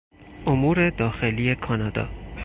امور داخلی کانادا